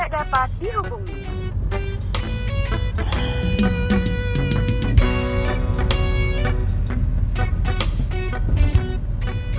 kenapa tidak bisa